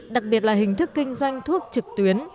đặc biệt là hình thức kinh doanh thuốc trực tuyến